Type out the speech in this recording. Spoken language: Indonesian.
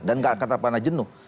dan gak akan pernah jenuh